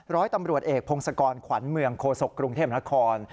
ร้อยตำรวจเอกพงศกรขวัญเมืองโคศกกรุงเทพนคร